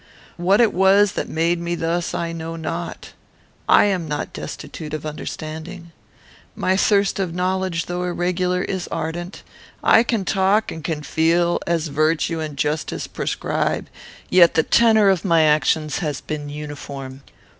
"What it was that made me thus, I know not. I am not destitute of understanding. My thirst of knowledge, though irregular, is ardent. I can talk and can feel as virtue and justice prescribe; yet the tenor of my actions has been uniform.